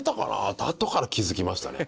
ってあとから気付きましたね。